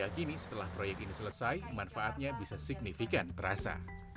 kini setelah proyek ini selesai manfaatnya bisa signifikan terasa